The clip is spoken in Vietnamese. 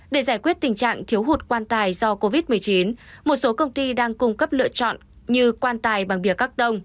để giải quyết tình trạng thiếu hụt quan tài do covid một mươi chín một số công ty đang cung cấp lựa chọn như quan tài bằng bìa cắt tông